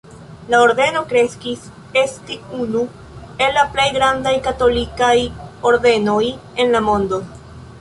La ordeno kreskis esti unu el la plej grandaj katolikaj ordenoj en la mondo.